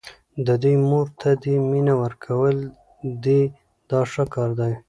د دوی مور ته دې مینه ورکول دي دا ښه کار دی.